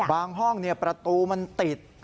ห้องประตูมันติด